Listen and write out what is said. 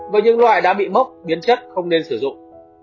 và những loại đã bị mốc biến chất không nên sử dụng